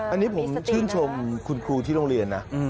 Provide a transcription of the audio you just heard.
อันนี้ผมชื่นชมคุณครูที่โรงเรียนนะ